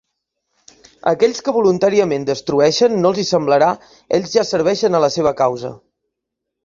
A aquells que voluntàriament destrueixen no els hi semblarà, ells ja serveixen a la seva causa.